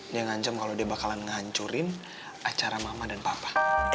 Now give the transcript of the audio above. dia ngancam kalau dia bakalan ngancurin acara mama dan papa